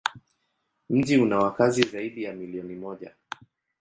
Mji una wakazi zaidi ya milioni moja.